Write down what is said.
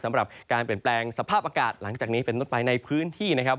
สำหรับการเปลี่ยนแปลงสภาพอากาศหลังจากนี้เป็นต้นไปในพื้นที่นะครับ